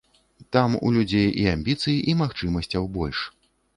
Там у людзей і амбіцый і магчымасцяў больш.